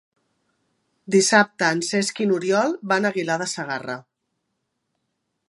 Dissabte en Cesc i n'Oriol van a Aguilar de Segarra.